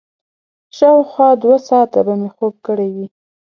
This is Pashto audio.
شاوخوا دوه ساعته به مې خوب کړی وي.